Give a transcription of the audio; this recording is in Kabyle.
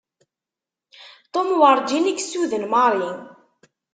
Tom werǧin i yessuden Mary.